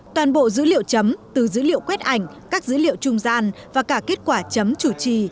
toàn bộ dữ liệu chấm từ dữ liệu quét ảnh các dữ liệu trung gian và cả kết quả chấm chủ trì